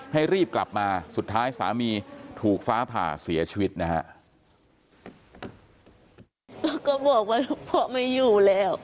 ให้รีบกลับมาสุดท้ายสามีถูกฟ้าผ่าเสียชีวิตนะฮะ